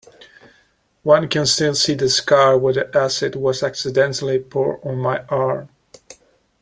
One can still see the scar where the acid was accidentally poured on my arm.